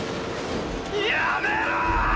やめろ！